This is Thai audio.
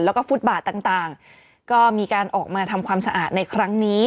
แล้วก็ฟุตบาทต่างก็มีการออกมาทำความสะอาดในครั้งนี้